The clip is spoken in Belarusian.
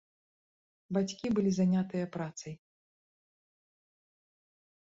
Бацькі былі занятыя працай.